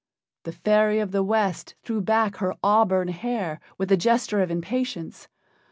The fairy of the West threw back her auburn hair with a gesture of impatience.